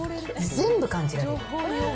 全部感じられる。